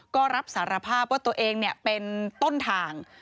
ก็รับสารภาพว่าตัวเองเป็นต้นทาง